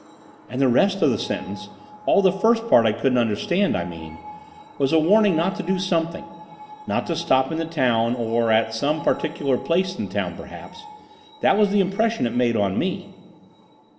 "And the rest of the sentence—all the first part I couldn't understand, I mean—was a warning not to do something—not to stop in the town, or at some particular place in the town, perhaps. That was the impression it made on me."